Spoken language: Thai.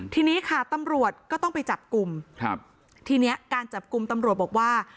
ทีนี้ค่ะตำรวจก็ต้องไปจับกลุ่มครับทีเนี้ยการจับกลุ่มตำรวจบอกว่า